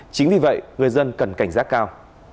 chính vì vậy người dân cần cảnh giác cao